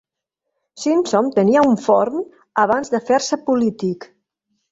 Simpson tenia un forn abans de fer-se polític.